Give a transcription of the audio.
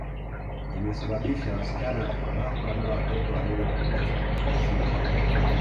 Imesababisha wasichana kubakwa na watoto wadogo kunajisiwa